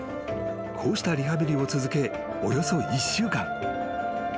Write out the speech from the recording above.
［こうしたリハビリを続けおよそ１週間］